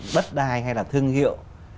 đất đai hay là thương hiệu